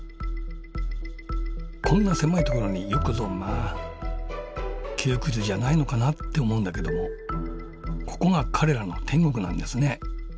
こんな狭い所によくぞまあ窮屈じゃないのかなって思うんだけどもここが彼らの天国なんですね。